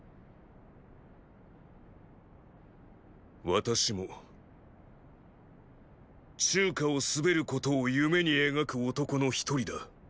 私もーー中華を統べることを夢に描く男の一人だ。